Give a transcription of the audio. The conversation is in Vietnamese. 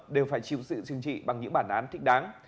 đều phải chịu sự chừng trị bằng những bản án thích đáng